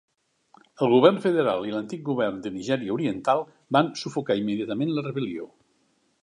El govern federal i l'antic govern de Nigèria Oriental van sufocar immediatament la rebel·lió.